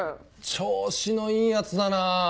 調子のいいヤツだなぁ！